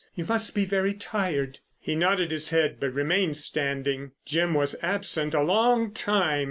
"You must be very tired." He nodded his head but remained standing. Jim was absent a long time.